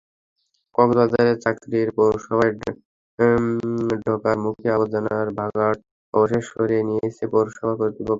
কক্সবাজারের চকরিয়া পৌরসভায় ঢোকার মুখের আবর্জনার ভাগাড় অবশেষে সরিয়ে নিয়েছে পৌরসভা কর্তৃপক্ষ।